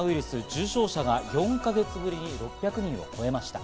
重症者が４か月ぶりに６００人を超えました。